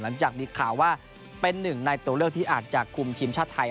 หลังจากมีข่าวว่าเป็นหนึ่งในตัวเลือกที่อาจจะคุมทีมชาติไทย